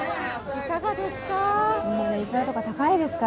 いかがですか？